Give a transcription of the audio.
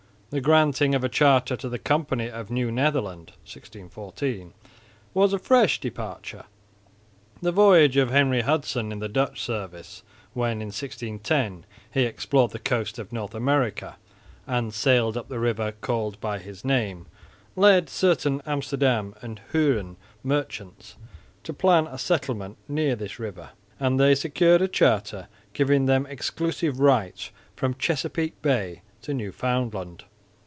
The granting of a charter to the Company of New Netherland (1614) was a fresh departure. The voyage of Henry Hudson in the Dutch service when, in 1610, he explored the coast of North America and sailed up the river called by his name, led certain Amsterdam and Hoorn merchants to plan a settlement near this river; and they secured a charter giving them exclusive rights from Chesapeake bay to Newfoundland.